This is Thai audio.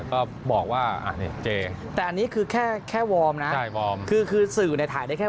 ก็บอกว่าอ่าเจแต่อันนี้คือแค่แค่นะใช่คือคือสื่อในถ่ายได้แค่